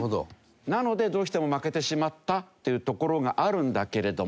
なのでどうしても負けてしまったというところがあるんだけれども。